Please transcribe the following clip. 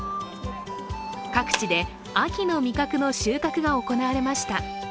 各地で秋の味覚の収穫が行われました。